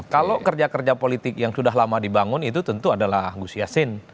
kalau kerja kerja politik yang sudah lama dibangun itu tentu adalah gus yassin